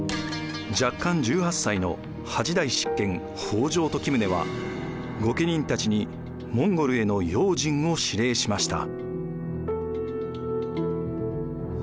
弱冠１８歳の８代執権北条時宗は御家人たちにモンゴルへの用心を指令しました。